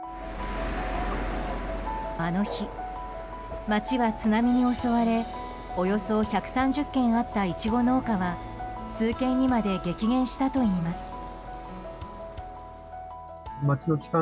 あの日、町は津波に襲われおよそ１３０軒あったイチゴ農家は数軒にまで激減したといいます。